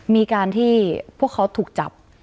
มีการที่พวกเขาถูกจับ